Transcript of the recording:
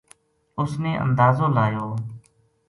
اس نے اندازو لایو